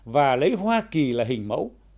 và lấy hoa kỳ là hình mẫu